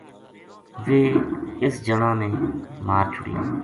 ویہ اِ س جنا نے مار چھڑیا